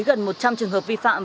gần một trăm linh trường hợp vi phạm